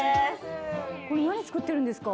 これ何作ってるんですか？